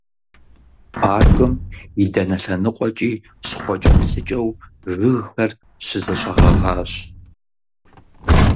Паркым и дэнэ лъэныкъуэкӀи щхъуэкӀэплъыкӀэу жыгхэр щызэщӀэгъэгъащ.